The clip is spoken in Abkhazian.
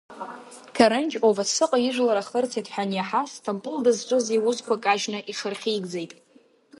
Қарынџь-Овасыҟа ижәлар ахырцеит хәа аниаҳа, Сҭампыл дызҿыз иусқуа кажьны иҽырхьигӡеит.